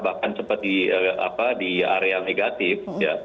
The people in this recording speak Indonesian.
bahkan sempat di area negatif